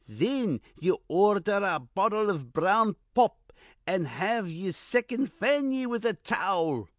Thin ye ordher a bottle iv brown pop, an' have ye'er second fan ye with a towel.